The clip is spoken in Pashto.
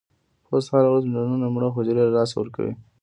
پوست هره ورځ ملیونونه مړه حجرې له لاسه ورکوي.